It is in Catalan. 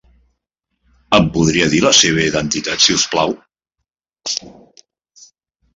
Em podria dir la seva identitat, si us plau?